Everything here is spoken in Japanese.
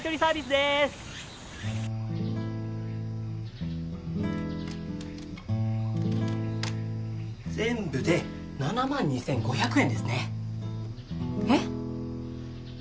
でーす全部で７万２５００円ですねえっ？